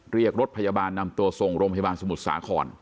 เรียกรถพยาบาลนำตัวส่งโรงพยาบาลสมุทรสาคร